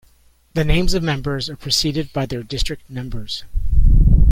The names of members are preceded by their district numbers.